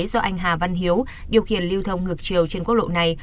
do anh hà văn hiếu điều khiển lưu thông ngược chiều trên quốc lộ này